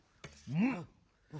うん。